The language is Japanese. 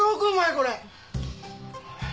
これ。